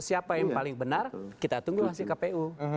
siapa yang paling benar kita tunggu hasil kpu